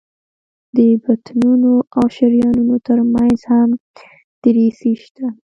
د بطنونو او شریانونو تر منځ هم دریڅې شته.